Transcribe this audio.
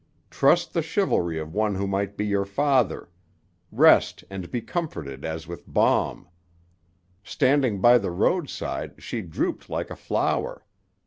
Trust the chivalry of one who might be your father. Rest and be comforted as with balm.' Standing by the roadside, she drooped like a flower.